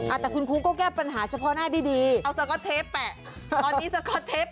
อาจจะคุณครูก็แก้ปัญหาเฉพาะหน้าดีดีเอาสก๊อตเทปแปะตอนนี้สก๊อตเทป